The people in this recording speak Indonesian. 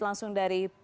langsung dari jawa